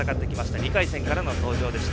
２回戦からの登場でした。